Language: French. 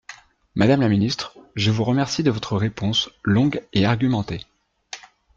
Madame la ministre, je vous remercie de votre réponse longue et argumentée.